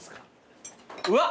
うわっ！